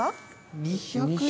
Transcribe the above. ２００円。